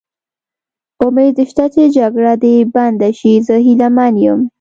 امید شته چې جګړه دې بنده شي، زه هیله من یم.